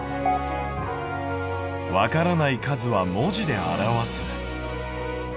「わからない数は文字で表す」。